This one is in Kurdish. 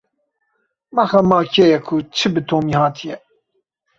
Ma xema kê ye ku çi bi Tomî hatiye?